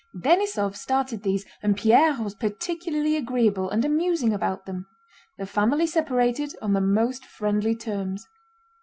Denísov started these and Pierre was particularly agreeable and amusing about them. The family separated on the most friendly terms.